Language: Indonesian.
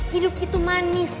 hidup itu manis